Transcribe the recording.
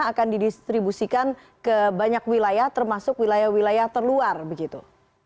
akan didistribusikan ke banyak wilayah termasuk wilayah wilayah terluar begitu